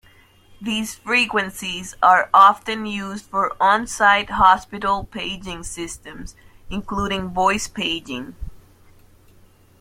These frequencies are often used for on-site hospital paging systems, including voice paging.